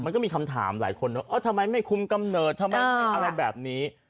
มันก็มีคำถามหลายคนทำไมไม่คุมกำเนิดทำไมอะไรแบบนี้